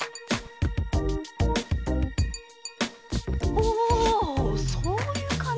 おぉそういうかんじねぇ。